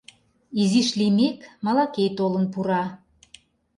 Изиш лиймеке, Малакей толын пура.